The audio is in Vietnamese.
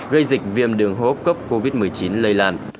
gây dịch viêm đường hốp cấp covid một mươi chín lây làn